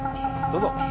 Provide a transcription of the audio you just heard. どうぞ！